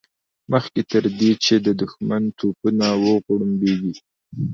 مخکې تر دې چې د دښمن توپونه وغړمبېږي.